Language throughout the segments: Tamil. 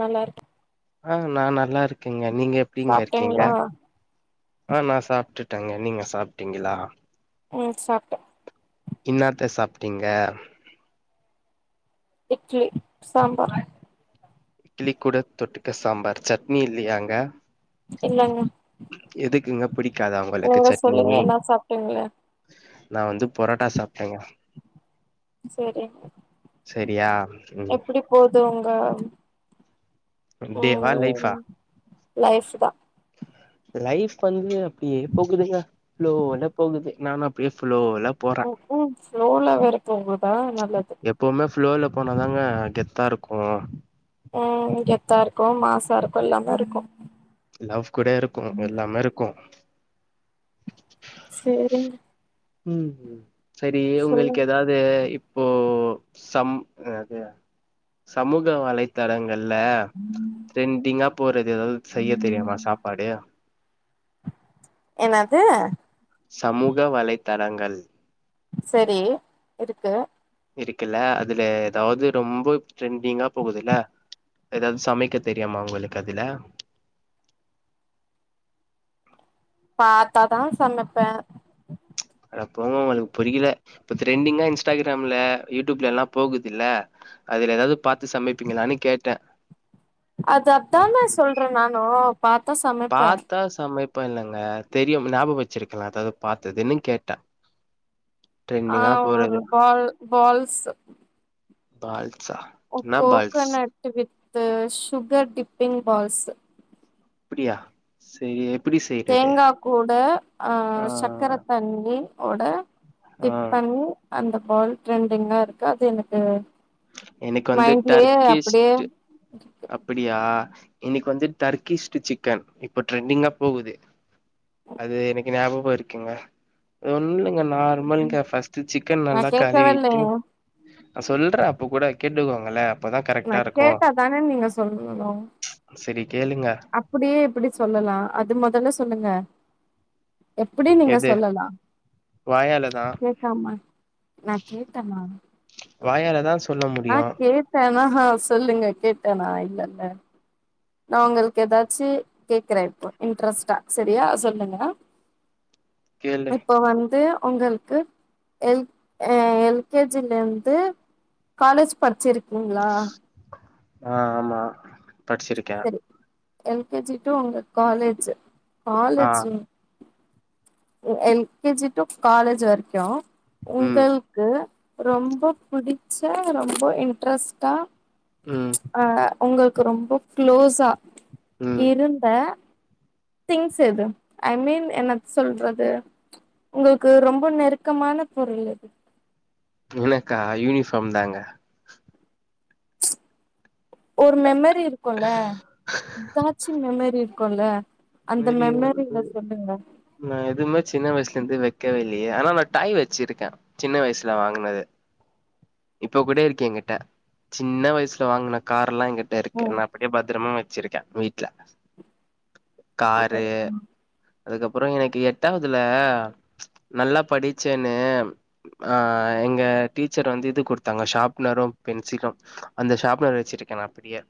நல்லா இருக் ஆ நா நல்லா இருக்கேங்க நீங்க எப்டிங்க இருக்கீங்க சாப்ட்டீங்களா ஆ நா சாப்ட்டுட்டேங்க நீங்க சாப்ட்டீங்களா ம் சாப்டே இன்னாத்த சாப்ட்டீங்க இட்லி சாம்பார் இட்லி கூட தொட்டுக்க சாம்பார் சட்னி இல்லையாங்க இல்லங்க எதுக்குங்க புடிக்காத உங்களுக்கு நீங்க சொல்லுங்க சட்னி என்ன சாப்ட்டீங்கள நா வந்து பொரோட்டா சாப்ட்டேங்க செரி செரியா எப்புடி போது உங்க டேவா லைஃபா ம் லைஃப் தா லைஃப் வந்து அப்டியே போகுதுங்க ஃப்ளோல போகுது நானு அப்டியே ஃப்ளோல போறே ம் ஹும் ஃப்ளோல வெற போகுதா நல்லது எப்போவுமே ஃப்ளோல போனாதாங்க கெத்தா இருக்கு ம் கெத்தா இருக்கு மாஸா இருக்கு எல்லாமே இருக்கு லஃப் கூட இருக்கு எல்லாமே இருக்கு சேரிங் ம் செரி உங்களுக்கு சொல்லுங்க ஏதா அது இப்போ சம் து அது சமூக வலை தரங்கள்ல ட்ரெண்டிங்கா போறது எதது செய்ய தெரியுமா சாப்பாடு என்னது சமூக வலைதளங்கள் சரி இருக்கு இருக்குல்ல அதுல ஏதாவது ரொம்ப ட்ரெண்டிங்கா போகுதுல்ல ஏதாது சமைக்க தெரியமா உங்களுக்கு அதுல பாத்தாதா சமைப்பே அட போங்க உங்களுக்கு புரியில இப்ப டிரரெண்டிங்கா இன்ஸ்டாகிராம்ல யூடியூப்ல எல்லா போகுதுல்ல அதுல ஏதாது பாத்து சமைப்பீங்களான்னு கேட்டே அது பா அதானே சொல்றே நானு பாத்தா சமைப்பே தா சமைப் இப்ப இல்லங்க தெரியும் ஞாபமக வச்சிருக்கலா அதாவது பார்த்தது என்னன் கேட்டா ஆ ஒரு பால் பால்ஸ்சு பால்சா coconut with sugar dipping balls அப்பிடியா சரி தேங்கா கூட ஆ சக்கர தண்ணி ஓட ஆ டிப் பண்ணி அந்த பால் ட்ரெண்டிங்கா இருக்கு அது எனக்கு எனக்கு வந்து மைண்ட்லியே அப்படியே இருக்கு அப்படியா இன்னைக்கு வந்து டர்கிஸ்ட்டு சிக்கன் இப்ப ட்ரெண்டிங்கா போகுது அது எனக்கு ஞாபக இருக்குங்க அது ஒன்னுலிங்க நார்மல்ங்க ப்ஸ்ட்டு சிக்கன் நா நல்லா கேக்கவே கழுவிட்டு இல்லையே நா சொல்றே இப்ப கூட கேட்டுக்கோங்களே அப்பதா நா கரெக்டா கேட்ட தானே நீங்க சொல்லணு சரி கேளுங்க அப்படியே எப்படி சொல்லலா அது மொதல்ல சொல்லுங்க எப்படி நீங்க சொல்லலா வாயால தா கேகாம நா கேட்டனா வாயாலதா சொ நா கேட்டேனா ஆ சொல்லுங்க கேட்டேனா இல்லல்ல நா உங்களுக் எதாச்சு கேக்கறே இப்ப இன்ட்ரெஸ்டா சரியா சொல்லுங்க கேளு இப்ப வந்து உங்கள்க்கு எல் அ எல் கே ஜி லர்ந்து காலேஜ் படிச்சிர்க்கிங்களா அ ஆமா படிச்சிர்க்கே சரி எல் கே ஜி டூ உங்க காலேஜ்ஜு ஆ college L K G to college வரைக்கு ம் உங்கள்க்கு ரொம்போ புடிச்ச ரொம்போ இன்ட்ரெஸ்டா ம் அ உங்கள்க்கு ரொம்ப க்ளோஸா ம் இருந்த திங்ஸ் எது ஐ மீன் என்னத் சொல்றது உங்கக்கு ரொம்ப நெருக்கமான பொருள் எது இவளக்கா யூனிஃபார்ம் தாங்க ஒரு மெமரி இருக்குல்ல எதாச்சும் மெமரி இருக்குல்ல அந்த வெளிய வந்து மெமரில சொல்லுங்க நா எதுமே சின்ன வயசுல இருந்து வெக்கவே இல்லியே ஆனா நா டாய் வச்சிருக்கே சின்ன வயசுல வாங்னது இப்ப கூட இருக்கு எங்கிட்ட சின்ன வயசுல வாங்கன கார் எல்லா எங்கிட்ட இரு ஓ நா அப்படியே பத்தரமா வச்சிருக்கே வீட்ல காரு அப்படியா அதுக்கப்பறோ எனக்கு எட்டாவதுல நல்லா படிச்சேன்னு அ எங்க டீச்சர் வந்து இது குடுத்தாங்க ஷாப்னரும் பென்சிலு அந்த ஷாப்னர வச்சிருக்கே நா அப்படியே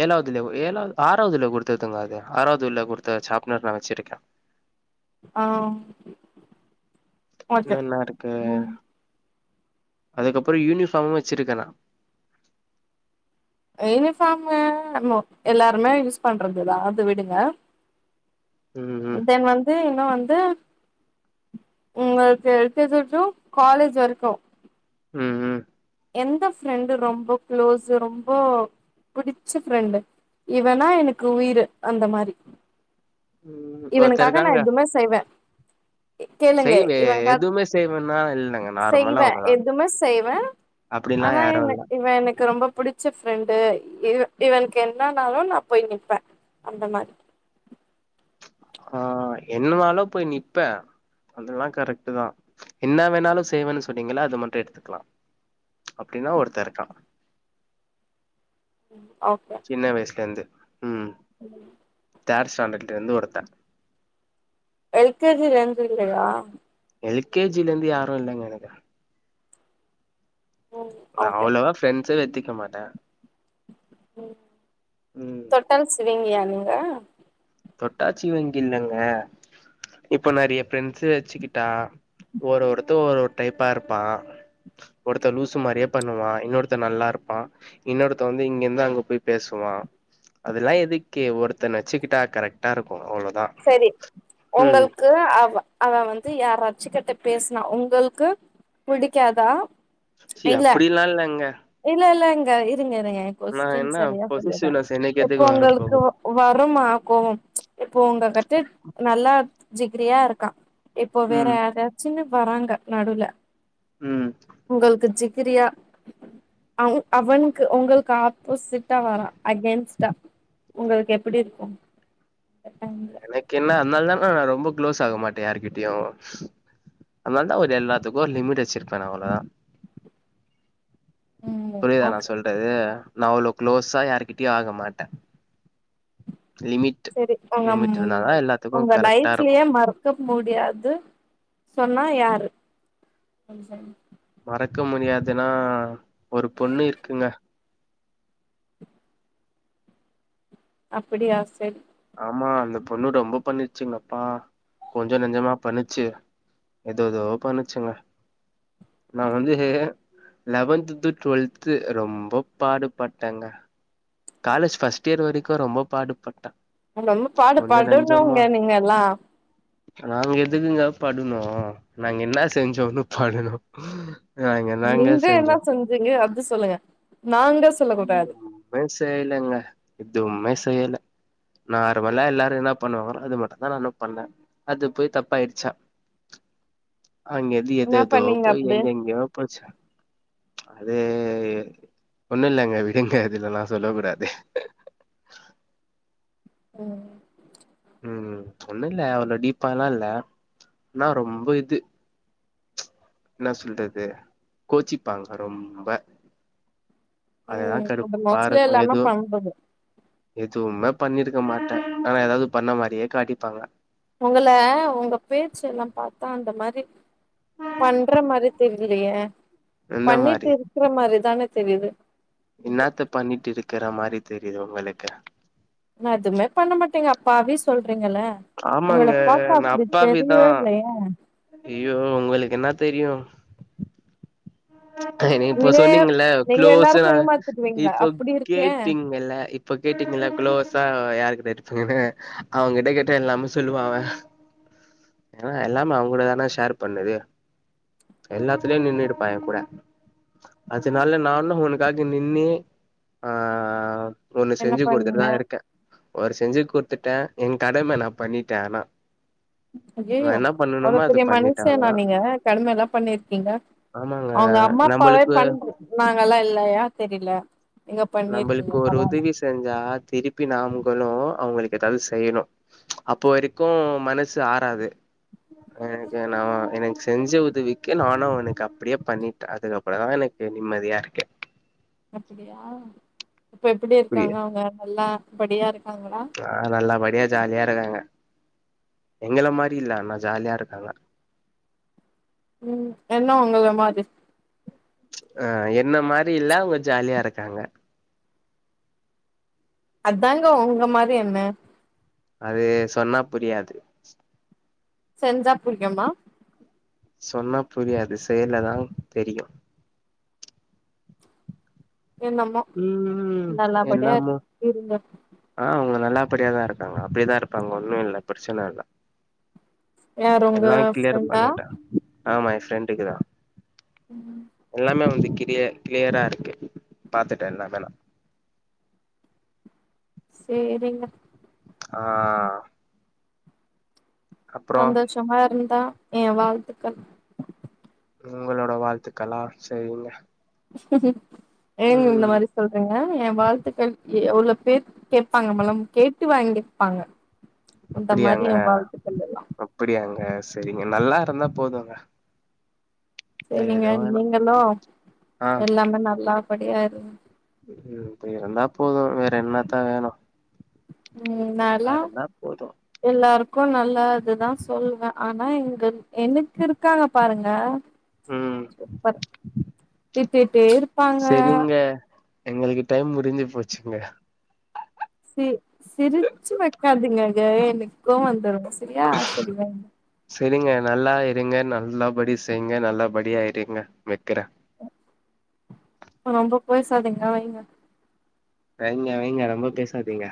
ஏழாவதுல ஏழாவது ஆறாவதுல ஒரு துதுங்கது ஆறாவதுல்ல குடுத்த சாப்னர் நா வச்சிட்ருக்கேன் ஆ ஓகே இன்னு என்ன இருக்கு ம் அதுக்கப்புறம் யூனிஃபார்மும் வச்சிருக்க நா யூனிஃபார்மு எல்லாருமே யூஸ் பண்றதுதான் அது விடுங்க உம் உம் தென் வந்து இன்னும் வந்து உங்களுக்கு L K G to college வரைக்கும் ம் உம் எந்த ஃப்ரெண்டு ரொம்ப க்ளோஸ்ஸு ரொம்ப பிடிச்ச ஃப்ரெண்டு இவனா எனக்கு உயிரு அந்த மாரி ம் ஒருத்த இவனுக்காக நா இருக்காங்க எதுமே செய்வே கேளுங்க செய்வே இவனுகா எதுவுமே செய்வேன்னா இல்லங்க செய்வ நார்மலா அவ்ளோதா எதுமே செய்வே அப்டின்லா ஆனா யாரு எனக் இல்ல இவன் எனக்கு ரொம்ப புடி புடிச்ச ஃப்ரெண்டு இவ இவனுக்கு என்னனாலும் நா போய் நிப்ப அந்த மாரி ஆ என்னனாலு போய் நிப்ப அதெல்லா கரெக்ட்டு தான் என்ன வேணாலும் செய்வேன்னு சொன்னீங்கள அது மட்டும் எடுத்துக்கலாம் அப்படின்னா ஒருத்த இருக்கான் ம் ஓகே சின்ன வயசுல இருந்து உம் ம் தேர்டு ஸ்டண்டர்ட்ல இருந்து ஒருத்தன் எல் கே ஜில இருந்து இல்லையா எல் கே ஜில இருந்து யாரும் இல்லங்க எனக்கு ம் நா ஓகே அவ்வளவா ஃப்ரெண்ட்ஸே வச்சிக்க மாட்ட ம் ம் தொட்டா சிணுங்கியா நீங்க தொட்டாச்சிணுங்கி இல்லங்க இப்ப நெறைய ஃப்ரெண்ட்ஸூ வச்சுக்கிட்டா ஒரு ஒருத்த ஒரு ஒரு டைப்பா இருப்பா ஒருத்த லூசு மாரியே பண்ணுவா இன்னொருத்த நல்லா இருப்பா இன்னொருத்த வந்து இங்கருந்து அங்க போய் பேசுவான் அதெல்லாம் எதுக்கு ஒருத்தன வச்சுக்கிட்டா கரெக்டாக இருக்கும் அவ்வளோதான் சரி உங்களுக்கு அவ அவன் வந்து யாராச்சிக்கிட்ட பேசுனா உங்களுக்கு பிடிக்காதா ச்சீ அப்டில்லா இல்லங்க இல்ல இல்லங்க இருங்க இருங்க நா கொஸ்டின் என்ன சரியா சொல்லிறேன் பொசசிவ்னஸ் எனக்கு இப்ப எதுக்கு வர உங்களுக்கு போகுது வருமா கோவம் இப்போ உங்க கிட்ட நல்லா ஜிகிரியா இருக்கா இப்ப வேற ம் யாராச்சின்னு வராங்க நடுவுல ம் உங்களுக்கு ஜிகிரியா அவன் அவனுக்கு உங்களுக்கு ஆப்போசிட்டா வரான் அகென்ஸ்டா உங்களுக்கு எப்படி இருக்கும் எனக்கு என்ன அதனால தான நா ரொம்ப க்ளோஸ் ஆகமாட்டே யாருகிட்டயும் அதனால தான் ஒரு எல்லாத்துக்கும் லிமிட் வச்சிருப்பேன் நா அவ்ளோதான் ம் புரியுதா நா ஓகே சொல்றது நா அவ்வளோ க்ளோஸா யாருகிட்டயும் ஆக மாட்ட சரி உங்க இருந்தாதா எல்லாத்துக்கு உங்க கரெக்டா இருக்கு லைப்லயே மறக் க்க முடியாது சொன்னா யாரு மறக்க முடியாதுன்னா ஒரு பொண்ணு இருக்குங்க அப்படியா செர் ஆமா அந்த பொண்ணு ரொம்ப பண்ணுச்சுங்கப்பா கொஞ்சோ நஞ்சமா பண்ணுச்சு எதேதோ பண்ணுச்சுங்க நா வந்து லெவன்துது டுவல்த்து ரொம்ப பாடுபட்டங்க காலேஜ் ஃபஸ்ட் இயர் வரைக்கு ரொம்ப பாடுபட்ட ரொம்ப பாடு படுனுங்க நீங்கல்லா நாங்க எதுக்குங்க படுனூ நாங்க என்ன செஞ்சோன்னு படுனு நாங்க என்னாங்க செஞ்சோ இதுங்க அத்து சொல்லுங்க நாங்க சொல்ல கூடாது [inaudible] மே செய்லங்க எதுவுமே செய்யல நார்மல்லா எல்லாரு என்ன பண்ணுவாங்கலோ அது மட்டு தா நானு பண்ணே அது போய் தப்பாயிச்சா அங்க எது என்ன எதேதோ பண்ணீங்க போய் அப்படி எங்கெங்கியோ போச் அதூ ஒண்ணுல்லங்க விடுங்க இதுலல்லா சொல்லக் கூடாது ம் ம் ஒண்ணுல்ல அவ்ள டீப்பாலா இல்ல அனா ரொம்ப இது என்னா சொல்றது கோச்சிப்பாங்க ரொம்ப அதுதா ம் அது கடுப்பா மோஸ்ட்லி இருக்கு எல்லாமே ஏது பண்றது எதூமே பண்ணிருக்க மாட்டே அனா எதாவது பண்ண மாரியே காட்டிப்பாங்க உங்கள உங்க பேச்சு எல்லா பாத்தா அந்த மாரி பண்ற மாரி தெரிலயே எந்த பண்ணீட் மாரி இருக்கற மாரி தான தெரிது என்னாத்த பண்ணீட்டு இருக்கற மாரி தெரிது உங்களுக்கு நா எதுவுமே பண்ண மாட்டேங்க அப்பாவி சொல்றீங்கல்ல உங்கள ஆமாங்க பாக்க நா அப்படி அப்பாவிதா தெரியவே இல்லையே ஐயோ உங்களுக்கு என்னா தெரியு என்னிய இப்ப வினே சொன்னீங்கல்ல நீங்க எல்லாருக்கு குளோஸ்ஸுடா ஏமாத்திடுவீங்க இப்போ அப்டி இருக்கே கேட்டீங்கல்ல இப்ப கேட்டீங்கள குளோஸா யாரு கிட்ட இருப்பீங்கன்னு அவுங்கிட்ட கிட்ட கேட்டா எல்லாமே சொல்லுவாங்க ஏன்னா எல்லாமே அவங்கூட தான ஷேர் பண்ணுது எல்லாத்துலயு நின்னுடுப்ப கூட அதனால நானு உனக்காக நின்னு ஆ ஒண்ணு என்ன செஞ்சு குடுத்துட்டு பண்ணீங்க தா இருக்கே ஒரு செஞ்சு குடுத்துட்டே என் கடம நா பண்ணிட்டே அனா ஐயையோ அவ்ளோ அது பெரிய பண்ணிட்டே ஆனா மனுசேனா நீங்க கடுமைலா பண்ணிருக்கீங்க ஆமாங்க அவங்க அம்மா அப்பாவே நம்மளுக்கு பண்ணாங்களா இல்லயா தெரில நீங்க பண்ணிருக்கீங்க நம்பளுக்கு ஒரு பரவால்ல உதவி செஞ்சா திருப்பி நாம்களு அவங்களுக்கு எதாவது செய்ணு அப்போ வரைக்கு மனசு ஆறது எனக்கு நா எனக்கு செஞ்ச உதவிக்கு நானு உனக்கு அப்படியே பண்ணீட்ட அதுக்கப்பறோ தா எனக் கு நிம்மதியா இருக்க அப்படியா இப்ப எப்படி புரிய இருக்காங்க அவங்க நல்லா படியா இருக்காங்களா ஆ நல்லபடியா ஜாலியா இருக்காங்க எங்கள மாரி இல்ல அனா ஜாலியா இருக்காங்க ம் என்ன உங்கள மாதிர் ஆ என்ன மாரி இல்ல அவங்க ஜாலியா இருக்காங்க அத்தாங்க உங்க மாரி என்ன அது சொன்னா புரியாது செஞ்சா புரியும்மா சொன்னா புரியாது செய்ல்ல தா தெரியும் என்னமோ ம் நல்லாபடியா என்னமோ இருங்க ஆ அவங்க நல்லா படியா தா இருக்காங்க அப்டியே தா இருப்பாங்க ஒன்னும் இல்ல பிரச்சன இல்ல யாரு உங்க எல்லாம் கிளியர் ஃப்ரெண்டா பண்ணிட்ட ஆமா என் ஃப்ரெண்டுக்கு தா ம் ம் எல்லாமே வந்து கிளிய கிளியரா இருக்கு பாத்துட்ட எல்லாமே நா சேரிங்க ஆ அப்றோ சந்தோஷமா இருந்தா அ வாழ்த்துக்கள் உங்களோட வாழ்த்துக்கள்லா சரிங்க ஏன் இந்த ம் மாரி சொல்றிங்க என் வாழ்த்துக்கள் எவ்ளோ பேர் கேப்பாங்கமலம் கேட்டு வாங்கிப்பாங்க இந்த மாரி அப்படியாங்க என் வாழ்த்துக்கள் எல்லா அப்படியாங்க சரிங்க நல்லா இருந்தா போதுங்க வேற சரிங்க எதுவு வேணா நீங்களு ஆ எல்லாமே நல்லா படியா இருங்க ம் ம் இப்பி இருந்தா போதும் வேற என்னத்த வேணும் ம் நா லா போது எல்லாருக்கு நல்லாது தா சொல்வ ஆனா இங்க எனக்கு இருக்காங்க பாருங்க ம் சூப்பர் திட்டீட்டே இருப்பாங்க சரிங்க எங்களுக்கு டைம் முடிஞ்சு போச்சுங்க சி சிரிச்சு வெக்காதிங்கங்க எனக்கு கோவ் வந்துடு சரியா சரி வைங்க சரிங்க நல்லா இருங்க நல்லபடி செய்ங்க நல்லபடியா இருங்க வெக்கற ரொம்ப பேசாதீங்க வைங்க வைங்க வைங்க ரொம்ப பேசாதீங்க